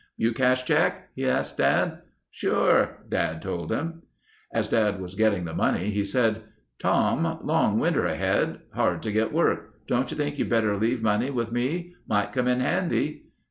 "You cash check?" he asked Dad. "Sure," Dad told him. As Dad was getting the money he said, "Tom, long winter ahead. Hard to get work. Don't you think you'd better leave money with me? Might come in handy."